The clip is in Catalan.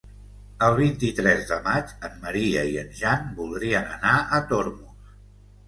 El vint-i-tres de maig en Maria i en Jan voldrien anar a Tormos.